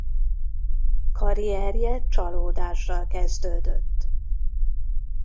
Karrierje csalódással kezdődött.